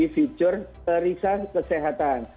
di fitur riset kesehatan